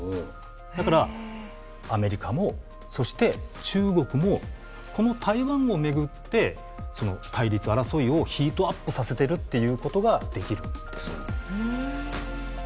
だからアメリカもそして中国もこの台湾を巡って対立争いをヒートアップさせてるっていうことができるんです。